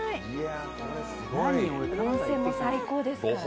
温泉も最高ですから。